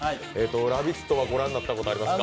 「ラヴィット！」はご覧になったことありますか？